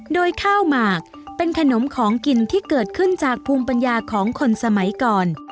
โดยข้าวหมากเป็นขนมของกินที่เกิดขึ้นจากภูมิปัญญาของคนสมัยก่อน